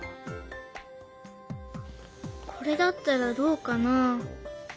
これだったらどうかな。